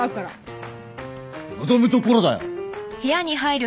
望むところだよ！